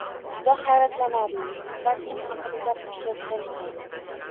Juda hayratlanarli, yigitlar kim haqida gapirishayotgan ekan